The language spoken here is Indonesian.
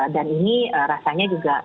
dan ini rasanya juga